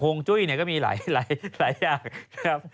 จุ้ยเนี่ยก็มีหลายอย่างครับ